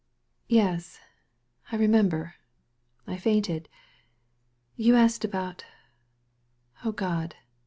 "Yes! I remember I I fainted! You asked about Oh, God